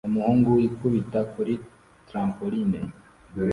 Umuhungu yikubita kuri trampoline